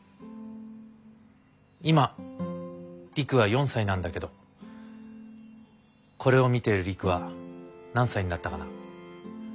今璃久は４歳なんだけどこれを見ている璃久は何歳になったかな。